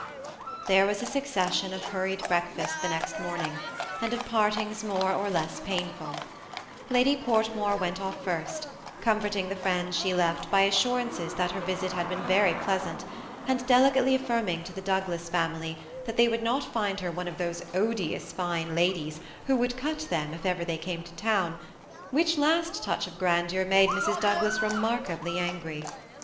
There was a succession of hurried breakfasts the next mommg, and of partings more or less painfiiL Lady Portmore went off first, comforting the friends she left by assurances that her visit had been very pleasant, and delicately affirming to the Douglas family that they would not find her one of those odious fine Ifidies who would cut them if .ever they came to town, which last touch of grandeur made Mrs. Douglas re markably angry.